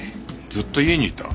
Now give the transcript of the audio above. ずっと家にいた？